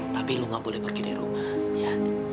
tapi lu gak boleh pergi dari rumah ya